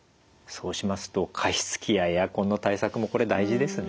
そうしますと加湿器やエアコンの対策もこれ大事ですね。